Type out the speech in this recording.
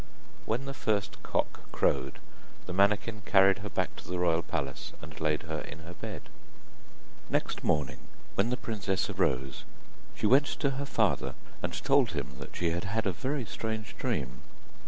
When the first cock crowed, the manikin carried her back to the royal palace, and laid her in her bed. Next morning when the princess arose she went to her father, and told him that she had had a very strange dream.